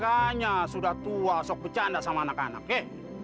makanya sudah tua sok bercanda sama anak anak he